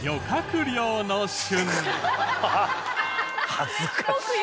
恥ずかしい。